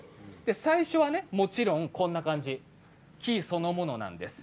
最初はこんな感じ木そのものなんです。